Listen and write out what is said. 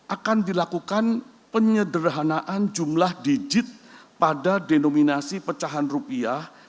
akan dilakukan penyederhanaan jumlah digit pada denominasi pecahan rupiah